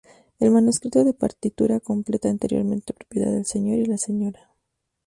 El manuscrito de partitura completa, anteriormente propiedad del Sr. y la Sra.